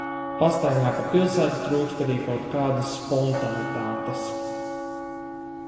Pastaigā pa pilsētu trūkst arī kaut kādas spontanitātes.